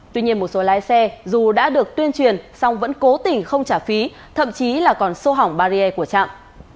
tuy nhiên một số lái xe dù đã được tuyên truyền song vẫn cố tình không trả phí thậm chí là còn xô hỏng barrier của trạm